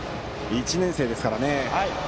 １年生ですからね。